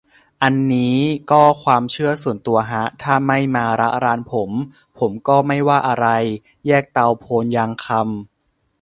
อันนี้ก็ความเชื่อส่วนตัวฮะ ถ้าไม่มาระรานผม ผมก็ไม่ว่าอะไร แยกเตาโพนยางคำ